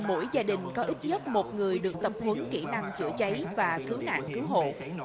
mỗi gia đình có ít nhất một người được tập huấn kỹ năng chữa cháy và cứu nạn cứu hộ